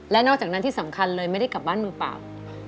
และนอกจากนั้นที่สำคัญเลยไม่ได้กลับบ้านมือเปล่า